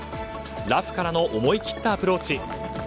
ラフからの思い切ったアプローチ。